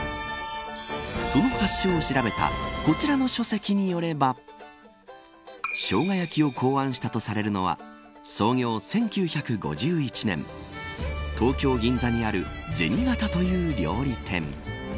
その発祥を調べたこちらの書籍によればしょうが焼きを考案したとされるのは創業１９５１年東京銀座にある銭形という料理店。